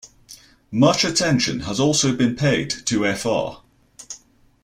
Much attention has also been paid to fr.